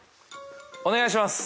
お願いします